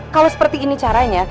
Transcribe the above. kalau seperti ini caranya